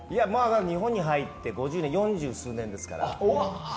日本に入って四十数年ですから。